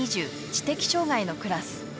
知的障がいのクラス。